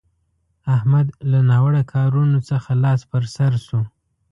احمد له ناوړه کارونه څخه لاس پر سو شو.